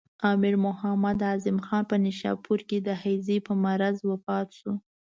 امیر محمد اعظم خان په نیشاپور کې د هیضې په مرض وفات شو.